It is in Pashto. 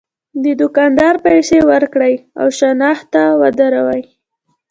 د دوکاندار پیسې ورکړي او شنخته ودروي.